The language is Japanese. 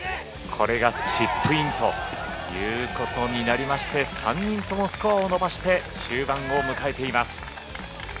これがチップインということになりまして３人ともスコアを伸ばして終盤を迎えています。